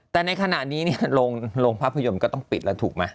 แต่ในขณะนี้โรงภาพยนตร์ก็ต้องปิดแล้วถูกไหม